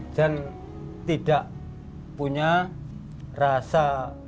dan tidak punya rasa